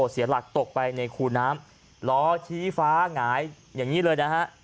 เสียหลักตกไปในคูน้ำล้อชี้ฟ้าหงายอย่างนี้เลยนะฮะ